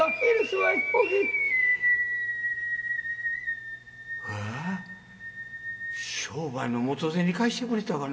「わあ商売の元銭貸してくれたがな。